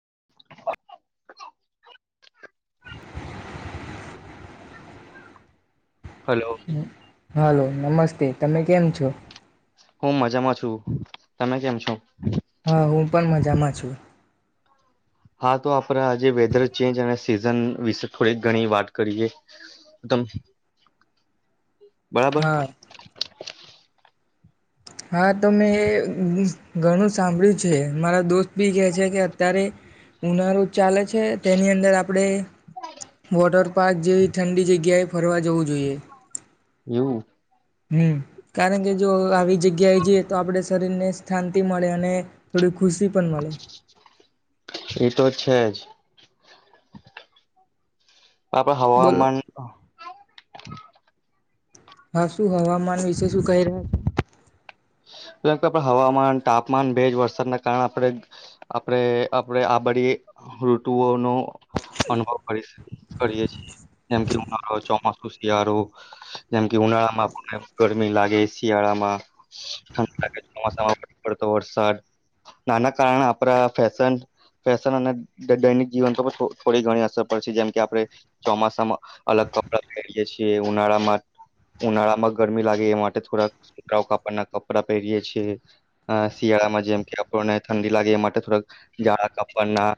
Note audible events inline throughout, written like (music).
(inaudible) Hello. Hello નમસ્તે તમે કેમ છો? હું મજામાં છું, તમે કેમ છો? હા હું પણ મજામાં છું. હા તો આપડ આજે વેધર ચેન્જ અને, સીઝન વિશે થોડી ઘણી વાત કરીે તમ બરાબર. (inaudible) હા હા તો મે ઘણું સાંભળ્યું છે, મારા દોસ્ત બી કે છે કે અત્યારે ઉનાળો ચાલે છે, તેની અંદર આપણે વોટર પાર્ક જેવી ઠંડી જગ્યાએ ફરવા જવું જોઈએ. એવું? હમ કારણ કે, જો આવી જગ્યાએ જઈએ તો આપણે શરીરને શાિ મળે અને, થોડી ખુશી પણ મળે. એતો છે, જ. આપડ બોલો હવામાન હા શું હવામાન વિશે શું કહી રહ્યા છે. હવામાન તાપમાન ભેજ વરસાદના કારણે આપણે આપડે આપણે આ બડી ઋતુઓનું અનુભવ કરી કરીએ છીએ જેમકે, હું મારો ચોમાસ શિયાળો જેમ કે ઉનાળા માં પણ ગરમી લાગે શિયાળામાં ચોતો વરસાદ નાના કારણે આપડા ફન ફેશન, અને દૈનિક જીવન થોડી ઘણી અસર પડશે જેમકે આપણે ચોમાસામાં અલગ કપડા પય છએ ઉનાળામાં ઉનાળામાં ગરમી લાગે એ માટે થોડાક છકરાઓ ક ના કપડા પહેરીએ છીએ શિયાળામાં જેમ કે આપણને ઠંડી લાગે એ, માટે થોડાક જાડા કપડાના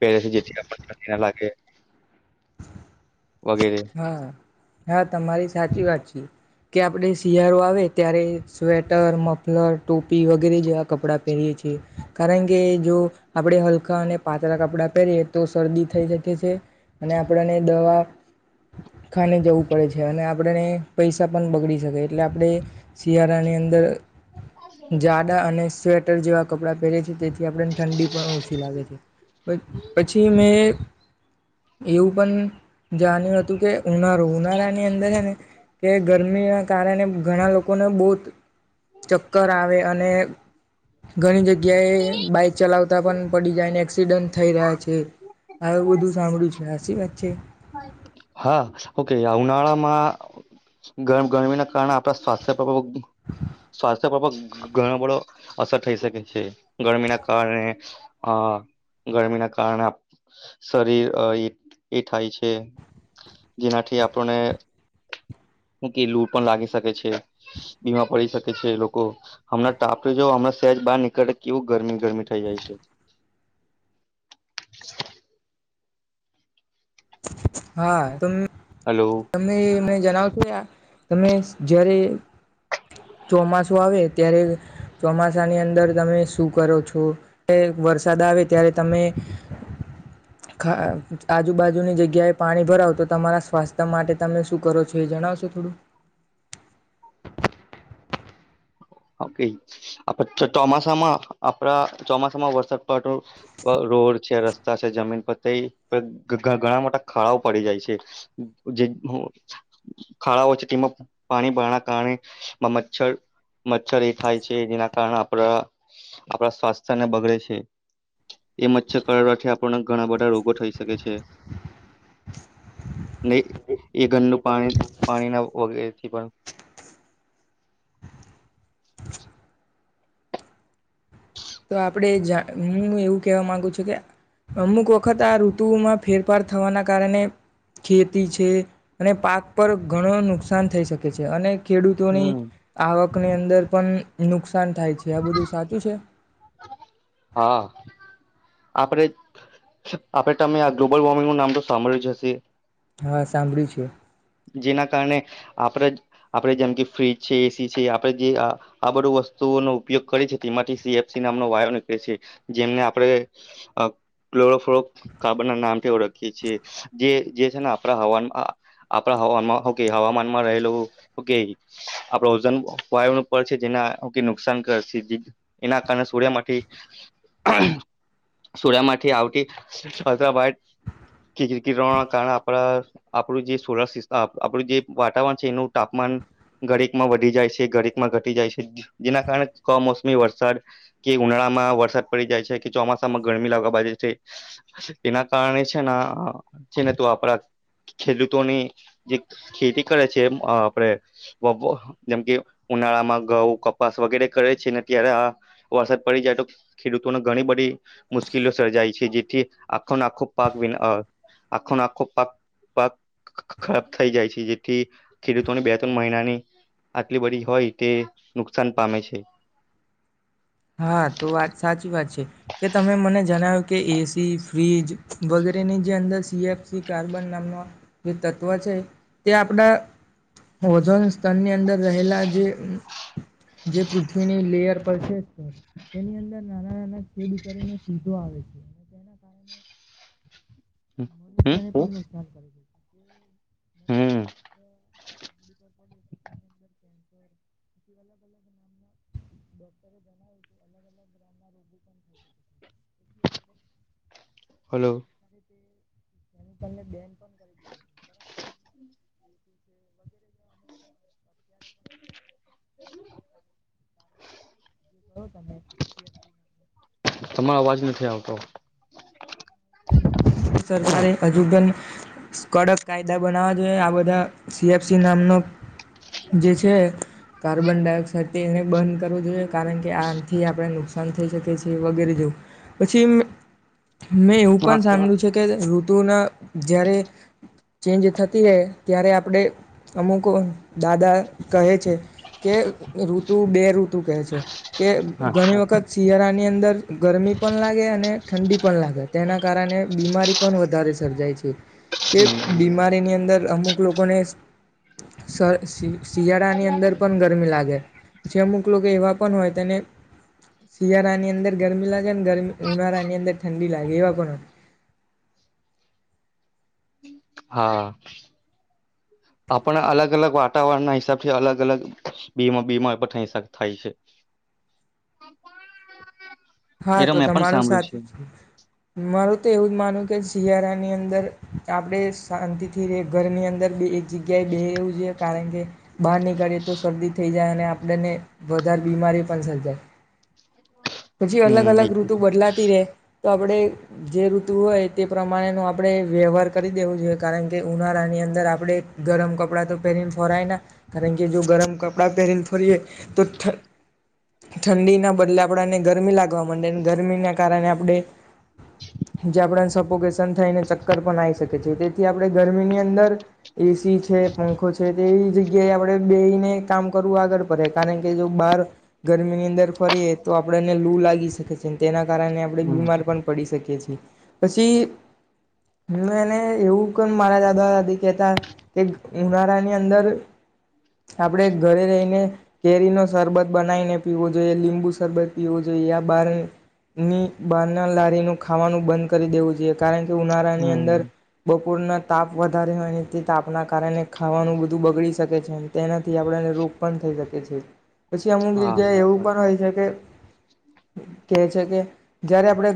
પહેરે છે જેથી આપઠંડી ના લાગે. વગેરે હા હા તમારી સાચી વાત છે. કે આપણે શિયાળો આવે ત્યારે સ્વેટર મફલર ટોપી વગેરે જેવા કપડાં પહેરીએ, છીએ કારણ કે જો આપણે હલકા અને પાતળા કપડાં પહેરીએ તો શરદી થઈ શકે છે, અને આપણને દવા ખાને જવું પડે છે, અને આપણેને પૈસા પણ બગડી શકે એટલે આપણે શિયાળાની અંદર જાડા અને સ્વેટ જેવા કપડાં પહેરે છે, તે આપને ઠંડી પણ ઓછી લાગે છે, પછી મેં એવું પણ જાણ્યું હતું કે ઉનાળું ઉનાળાની અંદર છે, ને કે ગરમીના કારણે ઘણા લોકોને બહુ ચક્કર આવે અને ઘણી જગ્યાએ બાઈક ચલાવતા પણ પડી જાય ને એક્સિડન્ટ થઈ રહ્યા છે આવું બધું સાંભળ્યું છે હાસી વાત છે હા ઓકે ઉનાળામાં ગરમી ના કારણે આપડા સ્વાસ્થ્ય (inaudible) ઘણો બડો અસર થઈ શકે છે ગરમી ના કારણે અ ગરમી ના કારણે શરીર એ એ થાય છે જેનાથી આપણને કે લૂટ પણ લાગી શકે છે બીમા પડી શકે છે લોકો હમણાં આપ જો હમણાં સહેજ બહાર નીકળે કેવું ગરમી ગરમી થઈ જાય છે (inaudible) હા ત (unintelligible) હલો તમને મે જણાવ છો તમે જયારે (unintelligible) ચોમાસું આવે ત્યારે ચોમાસાની અંદર તમે શું કરો છો કે વરસાદ આવે ત્યારે તમે આજુબાજુ ુની જગ્યાએ પાણી ભરાવો તો તમારા સ્વાસ્થ્ય માટે તમે શું કરો છો એ જણાવશો થોડું (inaudible) ચોમાસામાં આપણા ચોમાસામાં વરસાદ પડ રોડ (unintelligible) છે રસ્તા છે જમીન પર તે ઘણા મોટા ખાડાઓ પડી જાય છે જે ખાડાઓ છે તેમાં પાણી ભરાવાના કારણે મચ્છર મચ્છર એ થાય છે જેના કારણે આપડા આપણા સ્વાસ્થ્યને બગડે છે એ મચ્છરથી આપણને ઘણા બધા રોગો થઈ શકે છે (unintelligible) નહી એ ઘરનું પાણી પાણીના વગેરેથી પણ (unintelligible) તો આપણે હું એવું કહેવા માંગુ છું કે અમુક વખત આ ઋતુમાં ફેરફાર થવાના કારણે ખેતી છે અને પાક પર ઘણો નુકસાન થઈ શકે છે અને ખેડૂતોની હમ આવક ની અંદર પણ નુકસાન થાય છે આ બધું સાચું છે (unintelligible) હા (unintelligible) આપડે (unintelligible) આપડે તમે આ ગ્લોબલ વોર્મિંગ નું નામ તો સાંભળ્યું જશે હા સાંભળી છે જેના કારણે આપણે આપણે જેમ કે ફ્રીજ છે એસી છે આપણે જે આ બધું વસ્તુઓનો ઉપયોગ કરીએ છ તેમાંથી સીએફસી નામનો વાયો નીકળે છે જેમને આપણે ક્લોરોફ કાર્બન ના નામથી ઓળખીએ છએ જે છે ને આપણા હવામાં આપ ઓકે હવામાનમાં રહેલું ઓકે આપડ ઓજન વાયુ ન પ છે જેના નુકસાન કર છે એના કારણે સૂર્યમાંથી સૂર્ય માંથી આવતીીવા કારણે આપણા આપણું જે સોલ સસ્ટ આપણું જે વાતાવરણ છે એનું તાપમાન ઘરેકમાં વધી જાય છે ઘરેકમાં ઘટી જાય છે જેના કારણે કમોસમી વરસાદ કે ઉનાળામાં વરસાદ પડી જાય છે કે ચોમાસામાં ગરમી લાગવા બા છે એના કારણે છે છેને તો આપડા ખેડૂત ની જે ખેતી કરે છે આપણે જેમ કે ઉનાળામાં ઘઉ કપાસ વગેરે કરે છે ને ત્યારે આ વરસાદ પડી જાય તો ખેડૂતોને ઘણી બધી મુશ્કેલીઓ સર્જાય છે જેથી આખોને આખો પાક વિ આખો આખો પાક પાક (unintelligible) થઈ જાય છે જેથી ખેડૂતોને બે ત્રણ મહિનાની આટલી બધી હોય તે નુકસાન પામે છે (inaudible) હા તો વાત સાચી વાત છે કે તમે મને જણાવ્યું કે એસી ફ્રીજ વગેરેની જે અંદર સીએફસી કાર્બન નામનો જે તત્વ છે તે આપડા ઓજોન સ્તનની અંદર રહેલા જે પૃથ્વીની લેયર પર છે તેની અંદર નાના નાના ખેદ કરીને સીધો આવે છે, તેના કારણે (inaudible) હમ (inaudible) (inaudible) (inaudible) ચામડી (inaudible) આપણે હલો (inaudible) (inaudible) (inaudible) (unintelligible) તમારો અવાજ નથી આવતો સરકારે હજુગ કડક કાયદા બનાવવા જોઈએ. આ બધા સીએફસી નામનો જે, છે કાર્બન ડાયોક્ થતી એને બંધ કરવું જોઈએ કારણ કે આથી આપણે નુકસાન શકે છે વગેરે જેવું પછી હા પણ સાું છે કે ઋતુના જ્યારે ચેન્જ થતી રહે ત્યારે આપણે અમુક દાદા કહે છે કે રૂ ઋ તુ બે ઋતુ કહે છે. કે હા ઘણી વખત શિયાળા ની અંદર ગરમી પણ લાગે અને ઠંડી પણ લાગે તેના કારણે બીમારી પણ વધારે સર્જાય છે કે બીમારીની અંદર અમુક લોકોને સર શિયાળા ની અંદર પણ ગરમી લાગે પછી અમુક લોકો એવા પણ હોય તને, શિયાળાની અંદર ગરમી લ (unintelligible) ગરમી ઉનાળાની અંદર ઠંડી લાગે એવા પણ હા, આપણા અલગ અલગ વાતાવરણ ના હિસાબથી અલગ અલગ બીમાં બીમાં થ થાય છે. એ હા, તો મેં પણ તમારું સાંભળ્યું સાચું છે, મારું તો એવું જ માનું કે શિયાળાની અંદર, આપણે શાંતિથી ર ઘરની અંદર એક જગ્યાએ બે રહેવું જોઈએ, કારણ કે બહાર નીકળીએ તો શરદી થઈ જાય અને આપણને વધારે બીમારી પણ સર્જાય. પછી અલગ હમ એ અલગ ઋતુ બદલાતી રે. તો આપણે જે ઋતુ હોય, તે પ્રમાણેનો આપણે વ્યવહાર કરી દેવો જોઈએ, કારણ કે ઉનાળાની અંદર આપણે ગરમ કપડાં તો પહેરીને ફરાય ના કારણ કે જો ગરમ કપડાં પહેરીને ફોરીએ તો ઠંડીના બદલે આપણાને ગર ગમી લવા માંે ગરમીના કારણે આપણે, જે આપ સફોકેશન થાયને ચક્કર પણ આવી શકી છે, તેથી આપણે ગરમી ની અંદર એસી છે, પંખો છે તેવી જગ્યાએ આપણે બેસીને કામ કરવું આગળ પડે, કારણ કે જો બહાર ગરમીની અંદર ફરીએ તો આપ ને લુ લાગી શકે છે, તેના કારણે આપણે હમ બીમાર પણ પડી શકીએ છીએ. પછી, હું એને એવું ક મારા દાદા દાદી કેહેતા, કે ઉનાળાની અંદર આપણેે ઘરે રહીને, કેરી નો શરબત બનાવીને પીવો જોઈએ, લીંબુ શરબત પીવું જોઈએ, આ બારની બારના લારીનું ખાવાનું બંધ કરી દેવું જોઈએ, કારણ કે ઉનાળાની હમ અંદર બપોરના તાપ વધારે હોય, તે તાપના કારણે ખાવાનું બધું બગડી શકે છે, તેના થી આપણે એને રોગ પણ થઈ શકે છે, પછી અમુક જગ્યાએ એવું હા પણ હોય છે, કે કે છે, કે જયારે આપણે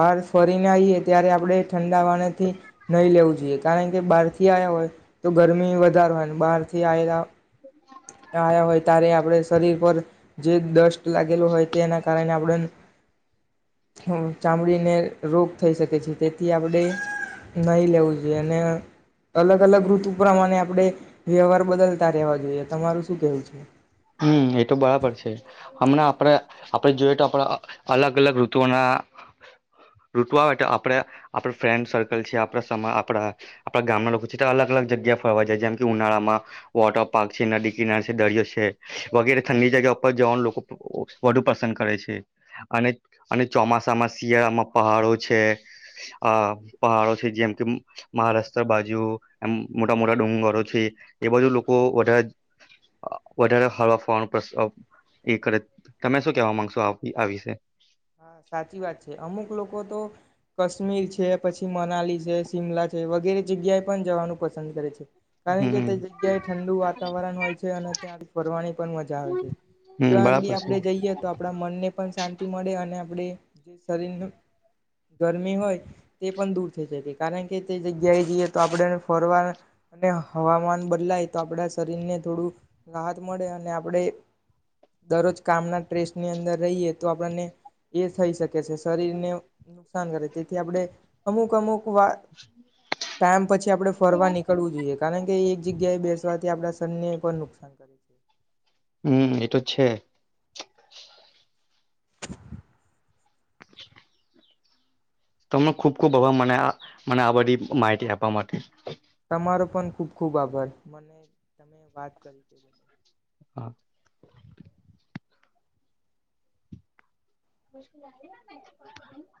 બહાર ફરીને આવીઈએ ત્યારે આપણે ઠંડાવાનેથી નહીં લેવું જોઈએ, કારણ કે કે, બહારથી આવ્યા હોય, તો ગરમી વધારે હોય, બહારથી આવેલા આવયા હોય તારે આપડે શરીર પર જે દસ્ટ્ટ લાગેું હોય, કારણે આપણે, ચામડીને રોગ થઈ શકે છે, તેથી આપણે નહીં લેવું જોઈએ, અને અલગ અલગ ઋતુ પ્રમાણે આપણે વ્યવહાર બદલતા રહેવા જોઈએ, તમારું શું કેવું છે. હમ એ તો બરાબર છે, હમણાં આપણે આપડ જોયએ તો આપણા અલગ અલગ ઋતુઓના ઋતુ આવે તો આપણે આપણા ફ્રેન્ડ સર્કલ છે, આપણા આપણા આપણા ગામના લોકો છે, તો અલગ અલગ જગ્યા ફરવા જાય જેમ કે ઉનાળામાં વોટર પાર્ક છે નદી કિનાર છે દરિયો છે. વગેરે ઠંડી જગ્યા ઉપર જવાનું લોકો વધુ પસંદ કરે છે, અને અને ચોમાસામાં શિયાળામાં પહાડો છે, આ પહાડો છે, જેમ કે મહારાષ્ટ્ર બાજુ એમ મોટા મોટા ડુંગરો છે, એ બાજુ લોકો વધારે વધારે હળવા ફવાનો પ્ર્ એ કરે, તમે શું કેવા માંગશો આ વિશે? હા સાચી વાત છે, અમુક લોકો તો કાશ્મીર છે, પછી મનાલી છે શિમલા છે, વગેરે જગ્યાએ પણ જવાનું પસંદ કરે છે. કારણ કે હમ તે જગ્યાએ ઠંડુ વાતાવરણ હોય છે, અને ત્યાં આગળ ફરવાની પણ મજા આવે છે હમ જ્યાં આગળી બરાબર છે આપણે જઈએ, તો આપણા મનને પણ શાંતિ. થી મળે અને આપ ગરમી હોય તે પણ દૂર થઈ શકી કારણ કે તે જગ્યાએ જઈએ, તો આપણે ફરવા અને હવામાન બદલાય તો આપણા શરીર ને થોડું રાહત મળે, અને આપણે દરરોજ કામના ટ્રેસની અંદર રહીએ તો આપણને એ થઈ શકે કે છે, શરીરને નુકસાન કરે તેથી આપણે અમુક અમુક વાર ટાઈમ પછી આપણે ફરવા નીકળવું જોઈએ, કારણ કે એક જગ્યાએ બેસવાથી આપણા સનને પણ નુકસાન હમ્મ એતો છે. (inaudible) (inaudible) તમને ખુબ ખુબ હવા મને મને આ બધી માહિતી આપવા માટે તમારો પણ ખુબ ખુબ આભાર મને તમે વાત કરી તે બ હા મુશ્કે (inaudible)